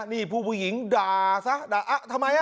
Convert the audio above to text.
นี่ผู้หญิงด่าซะด่าอะทำไม